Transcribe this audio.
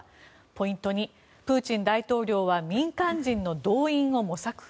ポイント２、プーチン大統領は民間人の動員を模索？